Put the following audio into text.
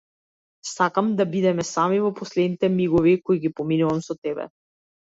Сакам да бидеме сами во последните мигови кои ги поминувам со тебе.